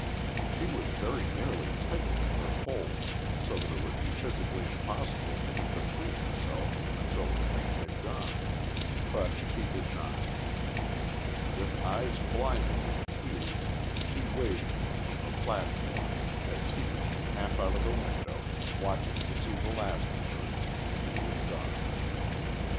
She was very nearly tightening her hold, so that it would be physically impossible for him to free himself until the train had gone, but she did not. With eyes blinded with tears she waved to him from the platform as he leaned half out of the window watching to see the last of her, and he was gone.